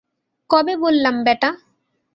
কবে বললাম, ব্যাটা?